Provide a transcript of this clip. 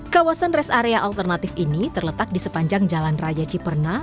kawasan rest area alternatif ini terletak di sepanjang jalan raya ciperna